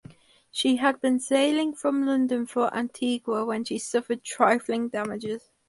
She had been sailing from London for Antigua when she suffered trifling damages.